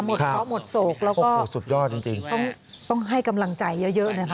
หมดเพราะหมดโศกแล้วก็ต้องให้กำลังใจเยอะนะคะ